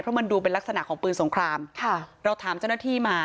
เพราะมันดูเป็นลักษณะของปืนสงครามค่ะเราถามเจ้าหน้าที่มา